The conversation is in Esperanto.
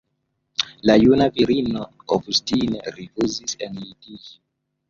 La juna virino obstine rifuzis enlitiĝi.